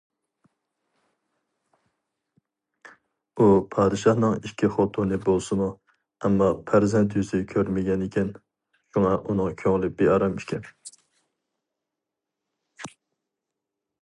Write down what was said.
ئۇ پادىشاھنىڭ ئىككى خوتۇنى بولسىمۇ، ئەمما پەرزەنت يۈزى كۆرمىگەنىكەن، شۇڭا ئۇنىڭ كۆڭلى بىئارام ئىكەن.